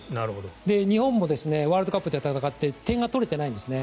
日本もワールドカップで戦って点が取れてないんです。